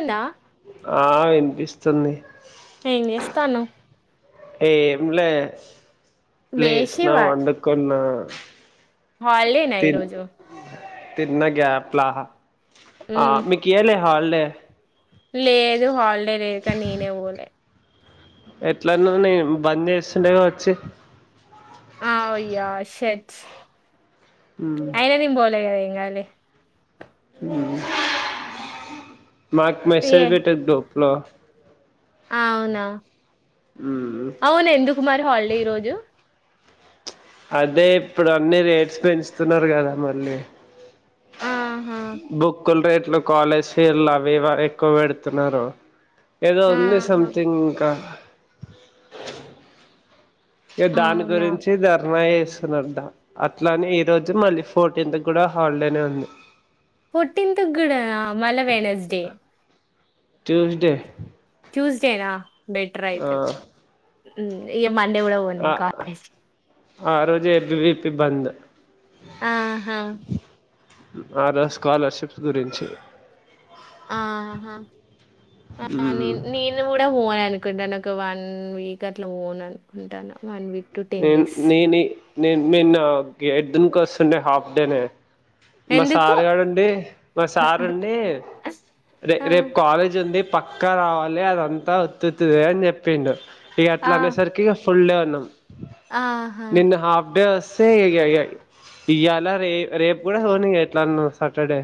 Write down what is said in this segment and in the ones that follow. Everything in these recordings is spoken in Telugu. ఎండా ఆ వినిపిస్తుంది ఏం చేస్తాన్నవ్ ఏంలే లేచి లేస్నా, వా వండుకున్నా హాలిడేనా ఈ తిన్ రోజు? తిన్న గ్యాప్లా, అ ఉమ్ మీకియ్యలే హాల్డే లేదు హాలిడే లేదుకని నేనే వోలే. ఎట్లన్నానే బంద్ చేస్తుండే గావచ్చు ఆ అయ్యా షెట్ ఉమ్ నేనేం బోలె కదా ఏం కాదులే ఉమ్ మాకు ఏ మెసేజ్ బెట్టదు డొప్లో ఆ అవునా ఉమ్ అవును ఎందుకు మరి హాలిడే ఈ రోజు? అదే ఇప్పుడు అన్ని రేట్స్ పెంచుతున్నారు కదా మళ్ళీ. ఆహా బుక్కులు రేట్లు, కాలేజ్ ఫీర్లు అవి ఇవ ఎక్కువ పెడుతున్నరు. ఏదో ఉంది ఆహా సంథింగ్ ఇంకా ఇగ దాని అవునా గురించి ధర్నా చెస్ తున్నరట అట్లని ఈ రోజు మళ్ళీ ఫోర్టీన్త్ గుడ హాలిడేనే ఉంది. ఫోర్టీన్త్ గుడ నా మల్ల వెనస్డే ట్యూస్డే ట్యూస్డేనా బెటర్ ఆ అయితే ఉం ఇక మండే కూడా పోన్ ఆ కాలేజ్ కి ఆ రోజు ఏబివీపి బంద్ ఆహా ఆ రోజు స్కాలర్షిప్స్ గురించి ఆహా అ మ్మ్ నిన్ నేన్ నే కూడా ఓన్ అనుకుంటాను ఒక వన్ వీక్ అట్లా ఓన్ అనుకుంటాను వీక్ టు నేను డేస్. నేని నేను నిన్న గేట్దునికి వస్తుండే హాఫ్ డేనే [unintelligible] మా ఎందుకు? సార్ గాడండి మా సార్ అండి రే ఆ! రేపు కాలేజ్ ఉంది పక్క రావాలి అదంతా ఒత్తుతుద అని చెప్పిండు ఇక ఆ! అట్లా అనేసరికిక ఫుల్ డే ఉన్నాం ఆహా! నిన్న హాఫ్ డే సే [unintelligible] ఇలా రే రేపు కూడా సోని ఎట్లాన్న సాటర్డే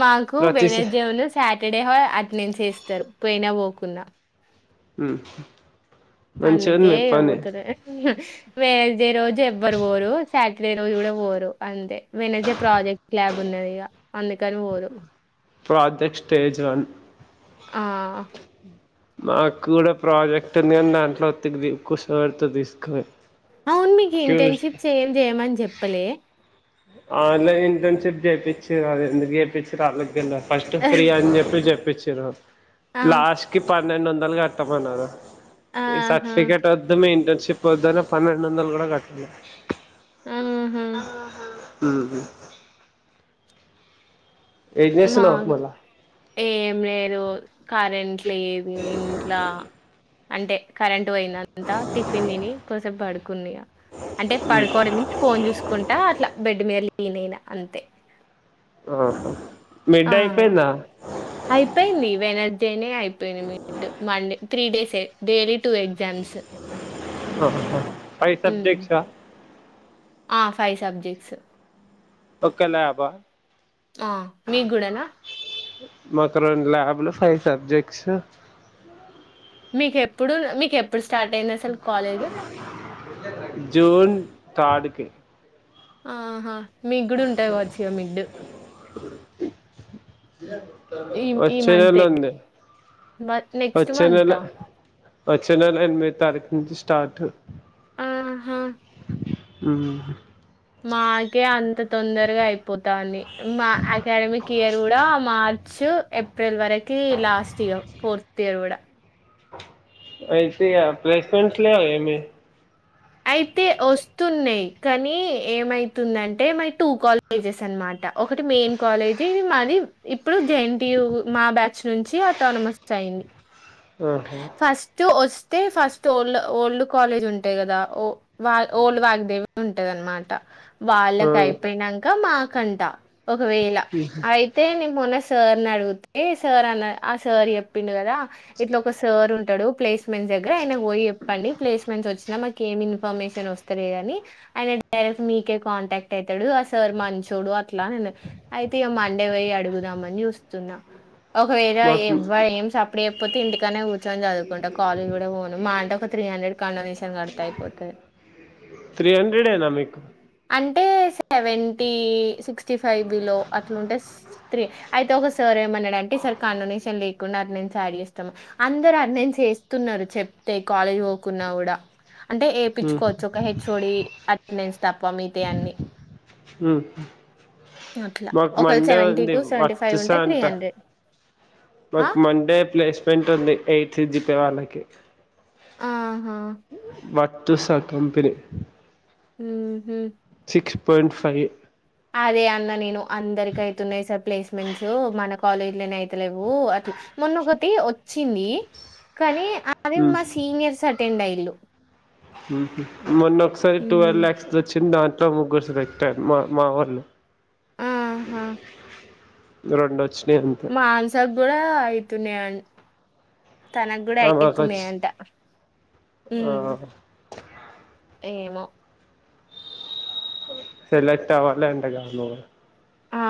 మాకు బ [unintelligible] ప్రతిస న జమున్ సాటర్డే అటెండెన్స్ చేస్తారు పోయినా పోకున్నా ఉం అందుకే ఇగ పోతేలే వెనర్స్డే రోజు ఎవ్వరు పోరు సాటర్డే రోజు కూడా పోరు అంతే వెనర్స్డే ప్రాజెక్ట్ ల్యాబ్ ఉన్నది ఇగ అందుకని పోరు ప్రాజెక్ట్ స్టేజ్ వన్ ఆ మాకు కూడా ప్రాజెక్టు ఉంది కానీ దాంట్లో తీగది [unintelligible] కుసారి వడ్తది రిస్కె అవును మీకు ఇంటర్షిప్స్ ఏమ్ చేయమని చెప్పలే ఆన్లైన్ ఇంటర్న్షిప్ చేపిచ్చిరు అది ఎందుకు చేపిచ్చిన్రో వాళ్ళకే తెల్వలే ఫస్ట్ ఫ్రీ అని చెప్పి చెప్పించురు ఆ! లాస్ట్ కి పన్నెండు వందలు కట్టామన్నారు ఈ ఆహా! సర్టిఫికెట్ వద్దు ఇంటర్న్షిప్ పొద్దున పన్నెడోందాలు కూడా కట్టినా అహ హు హామ్ ఏం చేస్తున్నావ్ నాకు మళ్ళా ఏం లేదు కరెంట్ లేదు ఇంట్లా అంటే కరెంట్ పోయినంతా టిఫిన్ తిని కోసేపు పడుకున్నా ఇగ అంటే పడుకోవడం మీన్స్ ఫోన్ చూసుకుంటా అట్లా బెడ్ మీద లీన్ అయినా అంతే ఆహా ఆ మిడ్ అయిపోయిందా అయిపోయింది వెనస్డే నే అయిపోయింది mid Monday three days daily two exams [unintelligible] ఓహ్హో ఫై ఉమ్ సబ్జెక్ట్స్అ ఆ ఫైవ్ సబ్జెక్ట్స్ ఒక ల్యాబ్ ఆ ఆ మీ కూడానా మాకు రెండు ల్యాబ్లు ఫైవ్ సబ్జెక్ట్స్ మీకెప్పుడు మీకేప్పుడు స్టార్ట్ అయింది అసలు కాలేజ్ జూన్ థర్డ్ కి ఆహా మీగుడాఉంటది కావచ్చు ఇగ మిడ్ వచ్చే నెల ఉంది మ వచ్చే నెల వచ్చే నెల ఎనిమిది తారీఖు నుంచి స్టార్ట్ ఆ హా ఉ మాకే అంత తొందరగా అయిపోతంది మా అకాడమిక్ ఇయర్ కూడా మా చ్చు ఏప్రిల్ వరకి లాస్ట్ ఇయర్ ఫోర్త్ ఇయర్ కూడా అయితే ఇగా ప్లేస్మెంట్స్ లేవా ఏమి అయితే వస్తున్నాయ్ కానీ ఏమైతుందంటే మై టూ కాల్ కాలజెస్ అనమాట ఒకటి మెయిన్ కాలేజీ మాది ఇప్పుడు జెయెన్టియు మా బ్యా చునుంచి ఆటనామస్ అయింది ఆహా టు వస్తే ఫస్ట్ ఓల్డ్ ఓల్డ్ కాలేజ్ ఉంటాయి కదా ఓ వాల్ ఓల్డ్ వాగ్దేవి ఉంటాదనమాట ఆ, వాళ్ళకి అయిపోయినంక్ కా మాకంటా ఒకవేళ ఉహు. అయి తే నేను మొన్న సార్ని అడిగుతే సార్ అన్న ఆ సార్ చెప్పిండు కదా ఇట్లా ఒక సార్ ఉంటాడు ప్లేస్మెంట్స్ దగ్గర ఆయన పోయి చెప్పండి ప్లేస్మెంట్స్ వచ్చినా మా కేమి ఇన్ఫర్మేషన్ వస్తలేదని ఆయన డైరెక్ట్ మీకే కాంటాక్ట్ అయితాడు ఆ సార్ మంచోడు అట్లా అన్నాడు. అయితే ఇగ మండే పోయ్యి అడుగుదామని చూస్త్ స్తున్నా ఒకవేళ మాకు ఎబ్బ ఏమ్స్ అప్పుడే అయిపోతే ఇంటికన్నే కు చొని చదువుకుంటా కాలేజ్ కూడా పోను మా అంటే త్రి హండ్రెడ్ కండొనేషన్ కట్ తే అయిపోతది త్రీ హండ్రెడేనా మీకు అంటే సెవెంటీ సిక్స్టీ ఫైవ్ బీలో అట్లుంటే స్ త్రీ అయితే ఒకసారి ఏమన్నాడు అంటే సార్ కాండొనేషన్ లే కున్నారు నుంచి అడిగేస్తాం అందరు ఆటేనేన్స్ యేస్తున్నారు చెప్తే కాలేజ్ పోకున్నా కూడా. అంటే ఉహు, యేపిచ్చుకోవచ్చు ఒక హెచ్ఓడి అటెండెన్స్ తప్ప మిగతయన్ని. ఉహు అట్లా. మాకు ఒకవేళ మండే ఉంది ఉంటే వత్తుసా అంతా ఆ! మాకు మండే ప్లేస్మెంట్ ఉంది ఎయిట్ జిపే వాళ్ళకి ఆ హా మత్తుస కంపేని ఉహు సిక్స్ పాయింట్ ఫైవ్ అదే అన్న నేను అందరికి అయితున్నాయి సార్ ప్లేస్మెంట్సు, మన కాలేజీలోనే అయితలేవు అట్లా మొన్న ఒకటి వచ్చింది కానీ అది మా సీనియర్స్ అటెండ్ అయిల్లు మొన్న ఒకసారి హ్మ్. టువెల్వ్ ల్యాక్స్ వచ్చింది దాంట్లో ముగ్గురు సెలెక్ట్ అయిర్రు మా మా వొళ్ళు. ఆహా ఇంగా రెండు వచ్చినాయి మన్షా కూడా అయితున్నాయన్ తనకు కూడా మాకు వచ్చి అయితున్నాయంటా ఉ ఏమో సెలెక్ట్ అవ్వలే అంటాగా నువ్వు ఆ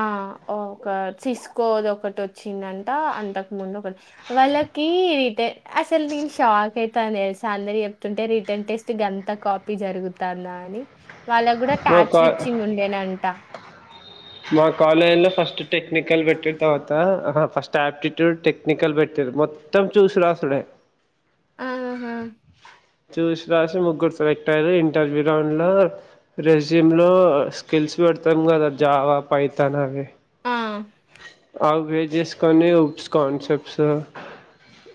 ఒక సిస్కోది ఒకటి వచ్చిందంటా అంతకు ముందు ఒకటి వాళ్ళకి రిటర్న్ అసలు నేను షాక్ అయితాను తెలుసా అందరు చెప్తుంటే రిటర్న్ టేస్ గంత కాపీ జరుగుతుందని వాళ్ళ కూడా మా టాచ్ కా విచింగ్ ఉండేనంటా. మా కాలేజ్లో ఫస్ట్ టెక్నికల్ పెట్టినురు తర్వాత అహ ఫస్ట్ ఆయాప్టిట్యూడ్ టెక్నికల్ పెట్టిర్రు మొత్ త్తం చూసి రాసుడే ఆహ ఆహ్. చూసి రాసి ముగ్గురు సెలెక్ట్ అయ్యారు ఇంటర్వ్యూ రౌండ్ లో. రెజ్యూమ్ లో స్కిల్స్ పెడతాం కదా జావా పైతాన్ అవి. ఆహ్. అవి బేస్ చేసుకొని కాన్సెప్ట్స్.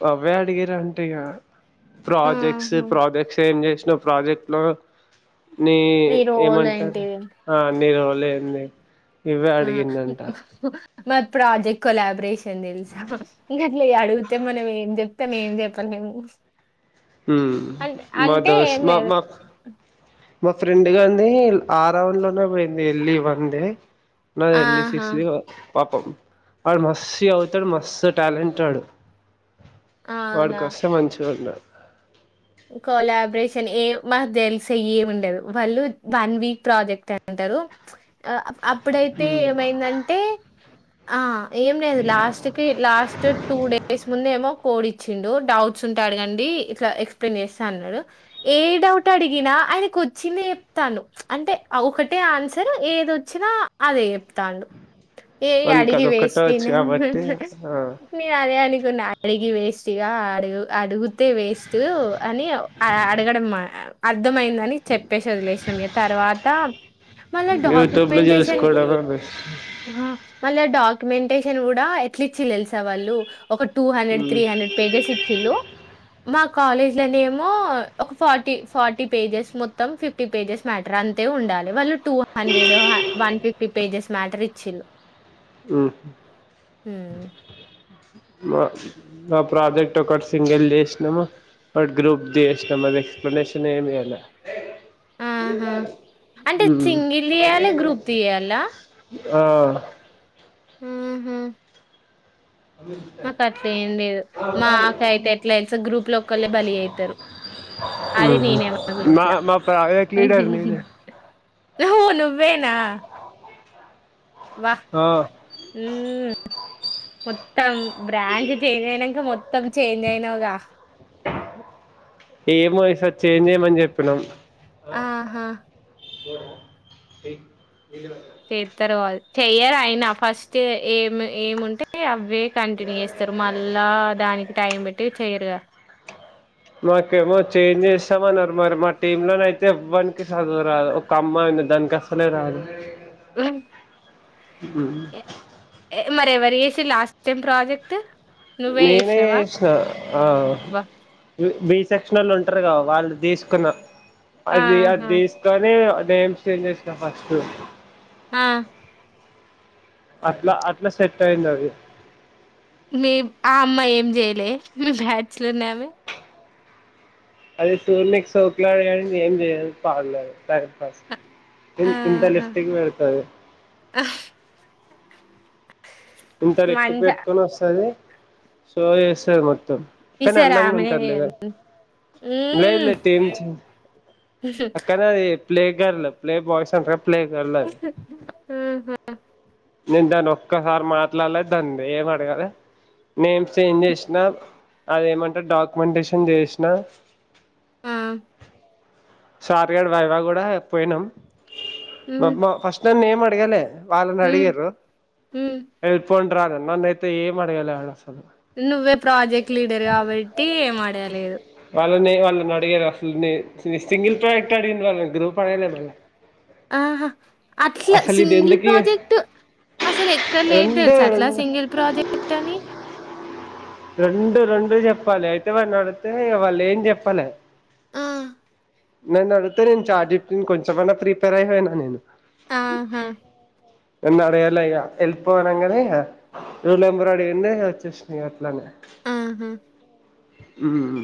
అవే అడిగింరంటా ఇక ప్రాజెక్ట్. క్స్ ఆహా! ప్రాజెక్ట్స్ ఏం చేసినవ్ ప్రాజెక్ట్ లో ని మీ రోల్ ఏమంటారు. ఏంటిది? ఆహ్ అన్నిరులే అంది. ఆహ్ మత్ ప్రాజెక్ట్ కొలాబరేషన్ తెల్సా. అడిగితే మనం ఏం చెప్తాం ఏం చెప్పాలేము. ఉమ్ మా ఏం దోస్త్ మా లేదు. మా. మా ఫ్రెండ్ గాడిదీ ఆ రౌండ్ లోనే పోయింది ఎల్ ఈ వన్ ది. నాది ఎల్ ఈ ఆహా! సిక్స్ ది పాపం వాడు మస్తు చదువుతాడు మస్తు ట్యాలెంట్ ఆడు. అవునా! వాడికివస్తే మంచిగా ఉంటది. కొలాబరేషన్ ఏ మాకు తెలుసు ఏమి ఉండదు వాళ్ళు వన్ వీక్ ప్రాజెక్ట్ అంటుండ్రు. ఆహ్ అప్పుడైతే ఉమ్ ఏమైందంటే ఆహ్. ఏం లేదు లాస్ట్ కి లాస్ట్ టూ డేస్ ముందేమో. కోడ్ ఇచ్చిండు డౌట్స్ ఉంటే అడగండి ఇట్లా ఎక్స్ప్లెయిన్ చేస్తా అన్నాడు. ఏ డౌట్ అడిగినా ఆయనకు వచ్చిందే చెప్తాండు. అంటే ఒకటే ఆన్సర్ ఏదొచ్చినా. అదే చేపుతాండు ఏయ్ వానికి అడిగి అదొక్కటే వేస్ట్ వచ్చు ఈయన. కాబట్టి ఆ నేను అదే అనుకున్నా అడిగి వేస్ట్గా అడుగు అడుగుతే వేస్ట్. అని అడగడం మన్ ఆహ్ అర్థమైందని. చెప్పిసి వదిలేసినం ఇగ తర్వాత మళ్ళా డాక్యుమెంటేషన్. ఉమ్. ఆహ్ మళ్ళా ఆ డాక్యుమెంటేషన్ కూడా ఎట్లిచ్చిండ్రు తెలుసా వాళ్ళు ఒక two hundred three hundred. Pages ఇచ్చిండ్లు. మా కాలేజ్ లనేమో ఒక ఫార్టీ ఫార్టీ పేజెస్ మొత్తం ఫిఫ్టీ. పేజెస్ మ్యాటర్ అంతే ఉండాలి వాళ్ళు. Two hundred one fifty pages మ్యాటరే ఇచ్చిండ్రు. ఉహూ మా. నా ప్రాజెక్ట్ ఒకటి సింగిల్ చేసినం. బట్ గ్రూప్ ది అస్మది ఎక్స్ప్లెనేషన్ ఏమి చేయాలని. ఆహా! అంటే ఉమ్ సింగిల్ జేయాలె, గ్రూప్‌ది జేయాలా? ఆహ్. ఉహూ. మాకు అట్లా ఏం లేదు మాకైతే ఎట్లా తెలుసా గ్రూప్ లో ఒకళ్ళే బలి చేస్తారు. అది మ్మ్. నేనే మా గ్రూప్లా. మా ప్రాజెక్ట్ లీడర్ నేనే అవున్ నువ్వేనా. వాహ్. ఆహ్. ఉమ్. మొత్తం బ్రాంచ్ చేంజ్ అయినాక మొత్తం చేంజ్ అయినావుగా. ఏమో ఈసారి చేంజ్ చేయమని చెప్పినాం. ఆహా. ఇయన దిగ్ [unintelligible] చేస్తారువా చెయ్యరు అయినా, ఫస్ట్ ఏమి ఏముంటే అవే కంటిన్యూ చేస్ స్తారు మళ్ళా దానికి టైం పెట్టి చెయ్యరుగా మాకేమో చేంజ్ చేస్తామన్నారు మరి మా టీమ్లోన అయితే ఎవన్కి చదువురాదు ఒక అమ్మాయి ఉంది దానికి అసలే రాదు మ్ మ్ మరి ఎవరు చేసిల్ లాస్ట్ టైం ప్రాజెక్ట్ నువ్వే నేనే చేసినవా చేసిన ఆ బా బి సెక్షనొళ్ళు ఉంటారు కదా, వాళ్ళు తీసుకున్న అది ఆహా అదిస్ కానీ నేమ్స్ చేంజ్ చేసినా ఫస్ట్ ఆ అట్ల అట్ల సెట్ అయింది అది మీ ఆ అమ్మాయి ఏం చేయలే మీ బ్యాచ్ లో ఉన్న ఆమె అది సూడ్నికి సోక్లాడి కాని ఏం చేయదు పాడలేదు టైంపాస్ కి ఇ ఇంత లిప్స్టిక్ పెడతాది ఆహ్ ఇంత లిప్స్టిక్ మంచి పెట్టుకొని వస్తాది షో చేస్తది మొత్తం కానీ ఈసారి అందంగా ఆమెనే ఉంటాది లే గా, చెయ్యండి లేదు మ్మ్ లేదు టీమ్ చే కానీ అది ప్లే గర్ల్ ప్లే బాయ్స్ అంటారు కదా ప్లే గర్ల్ అది. నేను దాన్ని ఒక్కసారి మాట్లాడలే దాన్ది ఏం అడగలే నేమ్స్ చేంజ్ చేసిన అదేమంటారు డాక్యుమెంటేషన్ చేసినా ఆ సార్ గాడు వైవా కూడా పోయినాం మ్మ్ బబ ఫస్ట్ నన్నేం అడగలే వాళ్ళని మ్మ్ అడిగిర్రు హ్మ్. ఎల్లిపొండ్ర అనన నన్నయితే ఏం అడగల ఆడ అసలు నువ్వే ప్రాజెక్ట్ లీడర్ కాబట్టి ఏం అడగలేదు వాళ్ళనే వాళ్ళని అడిగారు అసలు నే సింగిల్ ప్రాజెక్ట్ అడిగింది వాళ్ళని గ్రూప్ అడగల మల్ల ఆహా అట్ల ఇది సింగిల్ ఎందుకి ప్రాజెక్ట్ అసలు ఎక్కడ లేదు రెండు తెలుస అట్ల రెండు సింగిల్ ప్రాజెక్ట్ అని రెండు రెండు చెప్పాలి అయితే వాళ్లని అడిగితే ఇగ వాళ్ళు ఏం చెప్పలె ఆ నన్ను అడిగితే నేను చార్ చెప్పింది కొంచమన్నా ప్రిపేర్ అయి పోయినా నేను ఆహా నన్ను అడగలే ఇగ వెళ్ళిపో అనంగానే ఇగా వీల్లేమి రెడీగా ఉండే ఇంగ వచ్చేసిన ఇంగ అట్లనే ఆహ మ్